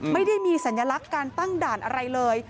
ไม่ได้มีสัญลักษณ์การตั้งด่านอะไรเลย